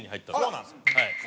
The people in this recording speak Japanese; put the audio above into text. そうなんですよ。